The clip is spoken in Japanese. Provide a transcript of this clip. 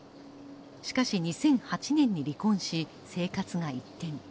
しかし２００８年に離婚し生活が一転。